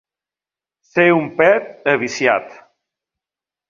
Ser un pet aviciat.